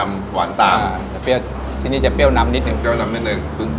กลับมาสืบสาวเราเส้นที่ย่านบังคุณนอนเก็นต่อค่ะจะอร่อยเด็ดแค่ไหนให้เฮียเขาไปพิสูจน์กัน